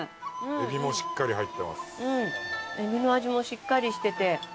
えびの味もしっかりしてて。